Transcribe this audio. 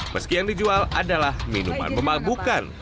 meski yang dijual adalah minuman memagukan